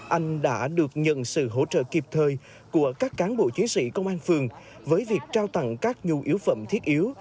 anh đã được nhận sự hỗ trợ kịp thời của các cán bộ chiến sĩ công an phường với việc trao tặng các nhu yếu phẩm thiết yếu